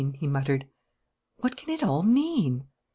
he muttered. "What can it all mean?"